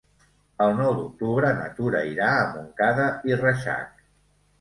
El nou d'octubre na Tura irà a Montcada i Reixac.